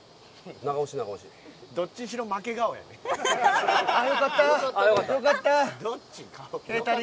どっちにしろ負け顔やねん。